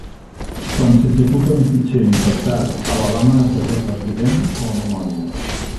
Quan s'executa un fitxer infectat, Alabama esdevé resident a la memòria.